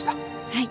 はい。